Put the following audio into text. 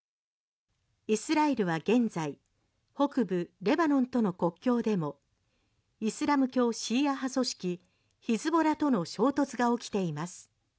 イスラエルは現在北部レバノンとの国境でもイスラム教シーア派組織ヒズボラとの衝突が起きています。